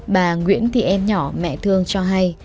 bà nguyễn thì em nhỏ mẹ thương cho hay